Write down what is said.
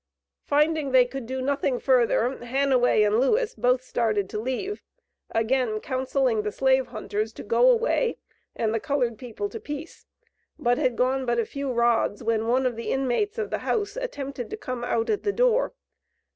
Finding they could do nothing further, Hanaway and Lewis both started to leave, again counselling the slave hunters to go away, and the colored people to peace, but had gone but a few rods, when one of the inmates of the house attempted to come out at the door.